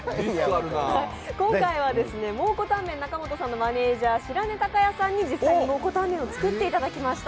今回は蒙古タンメンさんのマネージャー・白根隆也さんに実際に蒙古タンメンを作っていただきました。